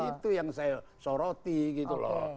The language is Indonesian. itu yang saya soroti gitu loh